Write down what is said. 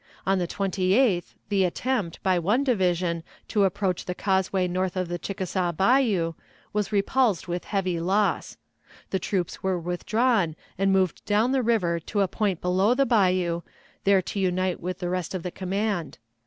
On the 28th the attempt, by one division, to approach the causeway north of the Chickasaw Bayou, was repulsed with heavy loss. The troops were withdrawn and moved down the river to a point below the bayou, there to unite with the rest of the command.